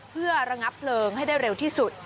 เพื่อระงับเพลิงให้ได้เร็วที่สุด